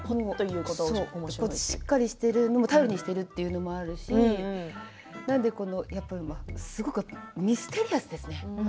しっかりしているのも頼りにしているっていうのもあるしすごくミステリアスですね。